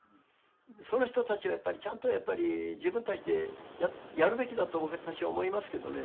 その人たちはちゃんとやっぱり自分たちでやるべきだと私は思いますけどね。